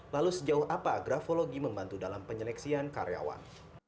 lalu sejauh apa grafologi membantu dalam penyeleksian karyawan